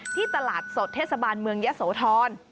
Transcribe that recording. ที่ตลาดสดเทศบาลเมืองยะโสธร